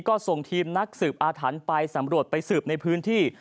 ก็ส่งทีมนักสืบอาถรรพ์ไปสำรวจไปสืบในพื้นที่